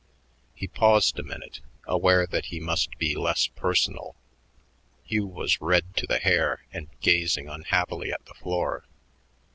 He paused a minute, aware that he must be less personal; Hugh was red to the hair and gazing unhappily at the floor.